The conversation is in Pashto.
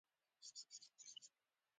پتوجن فنګسونه د پوستکي د ناروغیو سبب کیږي.